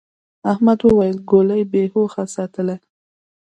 احمد وويل: گولۍ بې هوښه ساتلې.